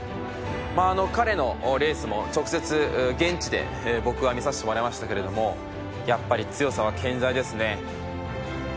まあ彼のレースも直接現地で僕は見させてもらいましたけれどもやっぱり強さは健在ですね。